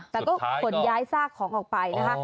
แต่ก็ขนย้ายซากของออกไปนะคะ